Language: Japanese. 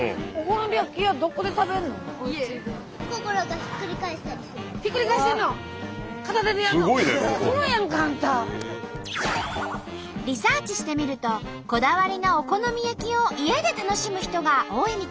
ひっくり返してんの！リサーチしてみるとこだわりのお好み焼きを家で楽しむ人が多いみたい。